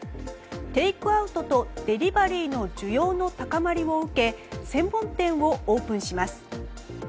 テイクアウトとデリバリーの需要の高まりを受け専門店をオープンします。